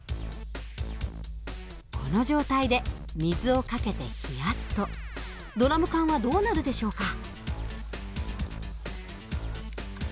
この状態で水をかけて冷やすとドラム缶はどうなるでしょうか？